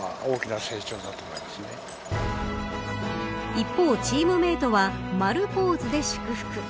一方、チームメートは丸ポーズで祝福。